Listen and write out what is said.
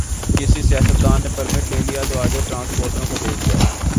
کسی سیاستدان نے پرمٹ لے لیا تو آگے ٹرانسپورٹروں کو دیا۔